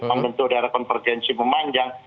membentuk daerah konvergensi memanjang